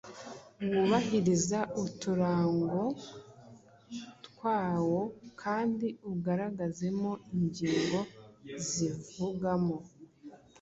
wubahiriza uturango twawo kandi ugaragazemo ingingo zivugamo